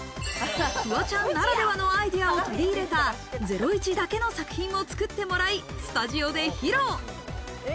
フワちゃんならではのアイデアを取り入れた『ゼロイチ』だけの作品を作ってもらい、スタジオで披露。